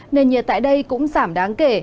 nền nhiệt tại đây cũng giảm đáng kể